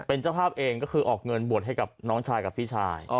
เป็นเจ้าภาพเองก็คือออกเงินบวชให้กับน้องชายกับพี่ชาย